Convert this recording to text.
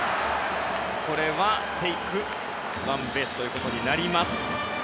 これはテイクワンベースということになります。